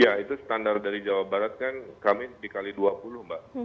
ya itu standar dari jawa barat kan kami dikali dua puluh mbak